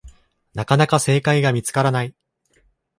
なかなか正解が見つからない